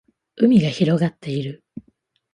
海が広がっている